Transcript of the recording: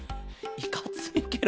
いかついケロ。